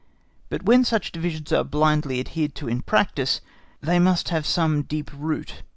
But when such divisions are blindly adhered to in practice, they must have some deep root.